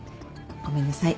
ごめんなさい。